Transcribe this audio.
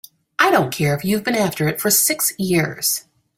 I don't care if you've been after it for six years!